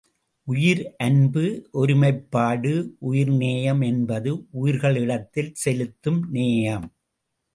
உயிர் அன்பு ஒருமைப்பாடு உயிர் நேயம் என்பது உயிர்களிடத்தில் செலுத்தும் நேயம்.